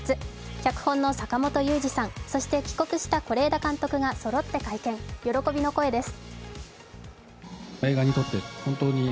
脚本の坂元裕二さん、そして帰国した是枝監督がそろって会見、喜びの声です。